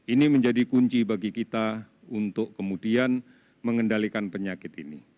ini menjadi kunci bagi kita untuk kemudian mengendalikan penyakit ini